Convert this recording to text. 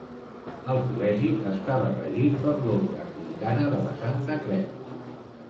El col·legi estava regit per l'Ordre Anglicana de la Santa Creu.